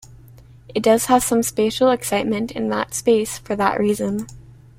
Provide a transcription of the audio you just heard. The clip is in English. It does have some spatial excitement in that space for that reason.